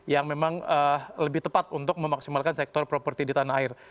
yang memang lebih tepat untuk memaksimalkan sektor properti di tanah air